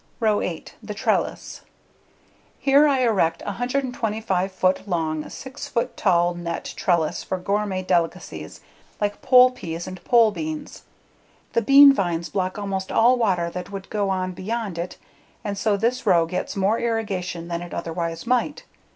Row 8: The Trellis Here I erect a 125 foot long, 6 foot tall net trellis for gourmet delicacies like pole peas and pole beans. The bean vines block almost all water that would to on beyond it and so this row gets more irrigation than it otherwise might.